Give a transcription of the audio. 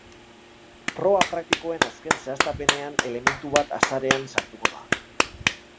Proba praktikoen azken zehaztapenean elementu bat azarean sartuko da.